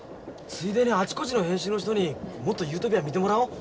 ついでにあちこちの編集の人にもっと「ＵＴＯＰＩＡ」見てもらおう。